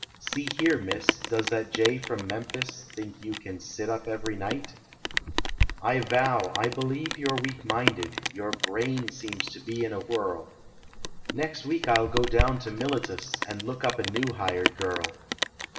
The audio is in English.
See here, miss ! Does that jay from Memphis Think you can sit up every night? I 3 6 I vow, I believe you re weak minded, Your brain seems to be in a whirl, Next week I ll go down to Miletus And look up a new hired girl.